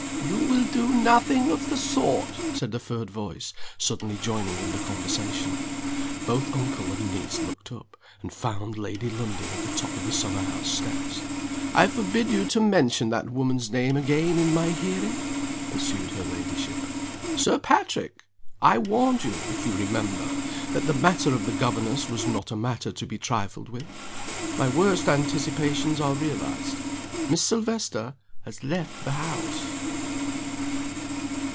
"You will do nothing of the sort!" said a third voice, suddenly joining in the conversation. Both uncle and niece looked up, and found Lady Lundie at the top of the summer house steps. "I forbid you to mention that woman's name again in my hearing," pursued her ladyship. "Sir Patrick! I warned you (if you remember?) that the matter of the governess was not a matter to be trifled with. My worst anticipations are realized. Miss Silvester has left the house!"